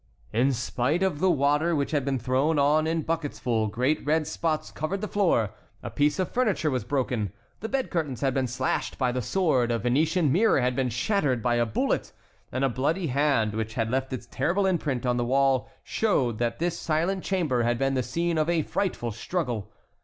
In spite of the water which had been thrown on in bucketsful, great red spots covered the floor. A piece of furniture was broken, the bed curtains had been slashed by the sword, a Venetian mirror had been shattered by a bullet; and a bloody hand which had left its terrible imprint on the wall showed that this silent chamber had been the scene of a frightful struggle.